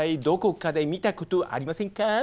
どこかで見たことありませんか？